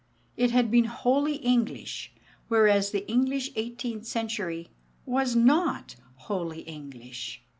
It had been wholly English, whereas the English eighteenth century was not wholly English.